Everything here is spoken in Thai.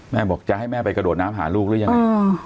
บอกจะให้แม่ไปกระโดดน้ำหาลูกหรือยังไง